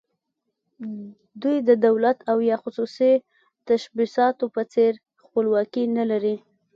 دوی د دولت او یا خصوصي تشبثاتو په څېر خپلواکي نه لري.